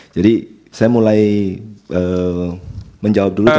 jadi saya mulai menjawab dulu